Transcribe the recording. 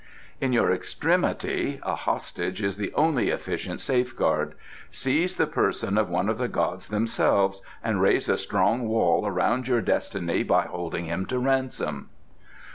In your extremity a hostage is the only efficient safeguard. Seize the person of one of the gods themselves and raise a strong wall around your destiny by holding him to ransom."